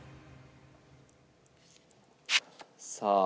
さあ。